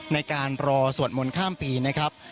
ในการรอสวดมนต์ข้ามปีนะครับ